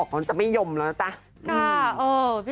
คุณสำคัญ